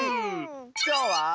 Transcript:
きょうは。